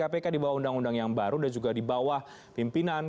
kpk di bawah undang undang yang baru dan juga di bawah pimpinan